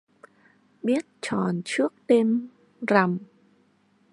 Biết tròn trước đêm rằm